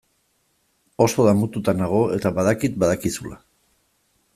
Oso damututa nago eta badakit badakizula.